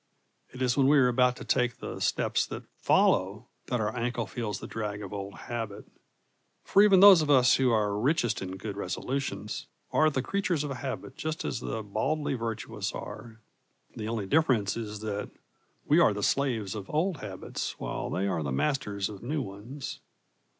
It is when we are about to take the steps that follow that our ankle feels the drag of old habit. For even those of us who are richest in good resolutions are the creatures of habit just as the baldly virtuous are. The only difference is that we are the slaves of old habits, while they are the masters of new ones....